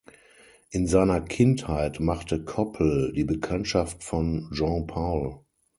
In seiner Kindheit machte Koppel die Bekanntschaft von Jean Paul.